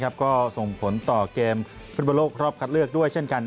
ก็ส่งผลต่อเกมฟุตบอลโลกรอบคัดเลือกด้วยเช่นกัน